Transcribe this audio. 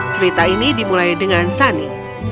cerita ini dimulai dengan sani